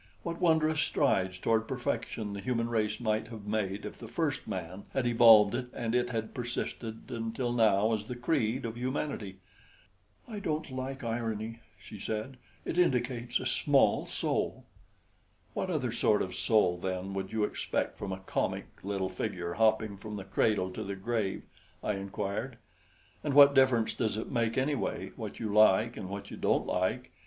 What wondrous strides toward perfection the human race might have made if the first man had evolved it and it had persisted until now as the creed of humanity." "I don't like irony," she said; "it indicates a small soul." "What other sort of soul, then, would you expect from `a comic little figure hopping from the cradle to the grave'?" I inquired. "And what difference does it make, anyway, what you like and what you don't like?